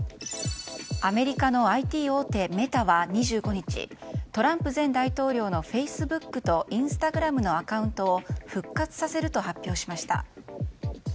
アメリカのＩＴ大手メタは２５日トランプ前大統領のフェイスブックとインスタグラムのアカウントを復活させると発表しました。